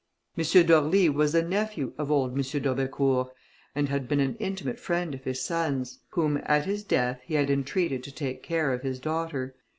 M. d'Orly was the nephew of old M. d'Aubecourt, and had been an intimate friend of his son's, whom at his death, he had entreated to take care of his daughter.